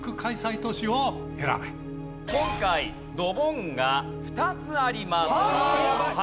今回ドボンが２つあります。